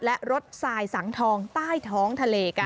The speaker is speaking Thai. และรถสายสังทองใต้ท้องทะเลกัดนะคะ